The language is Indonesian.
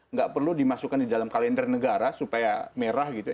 nggak perlu dimasukkan di dalam kalender negara supaya merah gitu ya